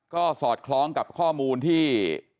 ก็สอดคล้องกับข้อมูลที่